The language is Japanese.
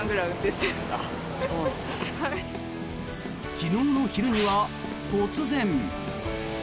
昨日の昼には突然。